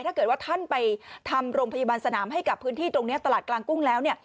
ถ้าเกิดว่าท่านไปทำโรงพยาบาลสนามให้กับพื้นที่ตรงนี้ตลาดกลางกุ้งแล้วเนี่ย